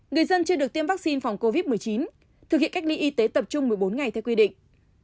người dân chưa được tiêm vaccine phòng covid một mươi chín thực hiện cách ly y tế tập trung một mươi bốn ngày theo quy định